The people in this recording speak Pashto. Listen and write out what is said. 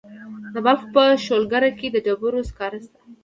د بلخ په شولګره کې د ډبرو سکاره شته.